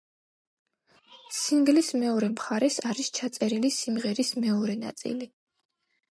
სინგლის მეორე მხარეს არის ჩაწერილი სიმღერის მეორე ნაწილი.